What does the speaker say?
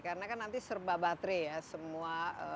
karena kan nanti serba battery ya semua